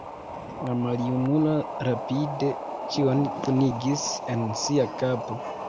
La maljunulo rapide ĉion kunigis en sia kapo.